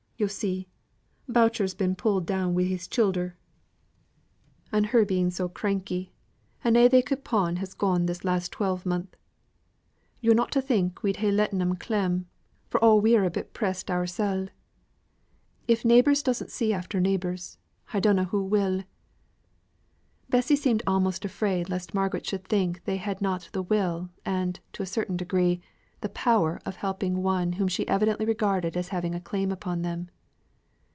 Yo' see, Boucher's been pulled down wi' his childer, and her being so cranky, and a' they could pawn has gone this last twelvemonth. Yo're not to think we'd ha' letten 'em clem, for all we're a bit pressed oursel'; if neighbours doesn't see after neighbours, I dunno who will." Bessy seemed almost afraid lest Margaret should think they had not the will, and, to a certain degree, the power of helping one whom she evidently regarded as having a claim upon them.